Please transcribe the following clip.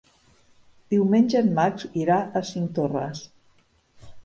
Diumenge en Max irà a Cinctorres.